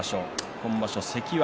今場所、関脇。